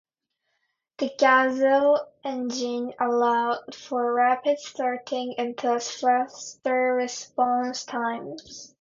The Gazelle engine allowed for rapid starting and thus faster response times.